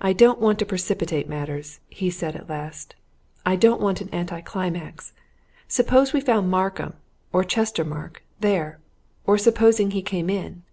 "I don't want to precipitate matters," he said at last. "I don't want an anti climax. Suppose we found Markham or Chestermarke there? Or supposing he came in?"